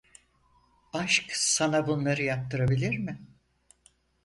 Aşk sana bunları yaptırabilir mi?